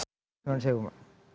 terima kasih pak